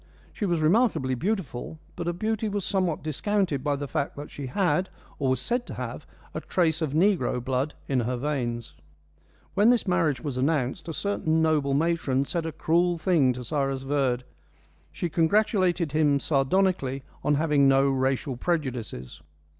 She was remarkably beautiful, but her beauty was somewhat discounted by the fact that she had or was said to have a trace of negro blood in her veins. When this marriage was announced, a certain noble matron said a cruel thing to Cyrus Verd. She congratulated him sardonically on having no racial prejudices.